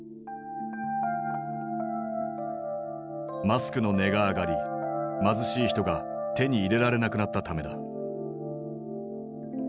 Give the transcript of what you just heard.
マスクの値が上がり貧しい人が手に入れられなくなったためだ。